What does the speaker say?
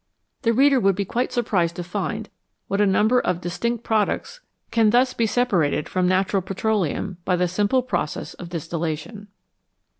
The reader would be quite surprised to find what a number of distinct products can thus be separated from natural petroleum by the simple process of distillation.